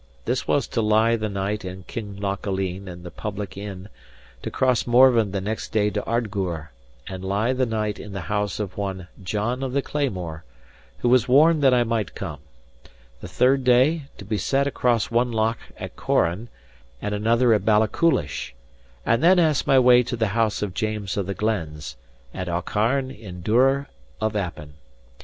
This was to lie the night in Kinlochaline in the public inn; to cross Morven the next day to Ardgour, and lie the night in the house of one John of the Claymore, who was warned that I might come; the third day, to be set across one loch at Corran and another at Balachulish, and then ask my way to the house of James of the Glens, at Aucharn in Duror of Appin.